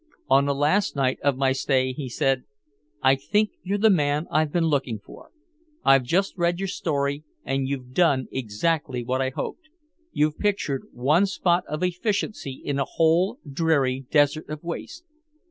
On the last night of my stay he said: "I think you're the man I've been looking for. I've just read your story and you've done exactly what I hoped. You've pictured one spot of efficiency in a whole dreary desert of waste.